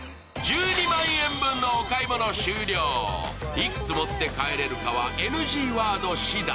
いくつ持って帰れるかはＮＧワード次第。